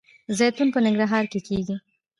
زیتون په ننګرهار کې کیږي